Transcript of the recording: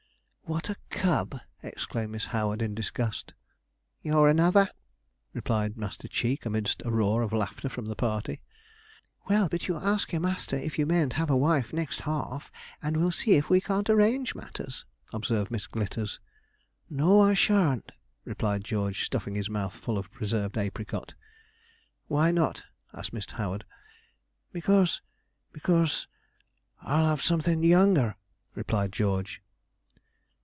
'What a cub!' exclaimed Miss Howard, in disgust. 'You're another,' replied Master Cheek, amidst a roar of laughter from the party. 'Well, but you ask your master if you mayn't have a wife next half, and we'll see if we can't arrange matters,' observed Miss Glitters. 'Noo, ar sharn't,' replied George, stuffing his mouth full of preserved apricot. 'Why not?' asked Miss Howard, 'Because because ar'll have somethin' younger,' replied George.